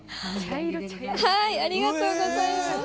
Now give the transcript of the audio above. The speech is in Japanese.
ありがとうございます！